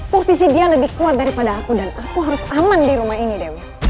posisi dia lebih kuat daripada aku dan aku harus aman di rumah ini dewi